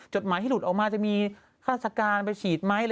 จดหมายที่หลุดออกมาจะมีฆาติการไปฉีดไหม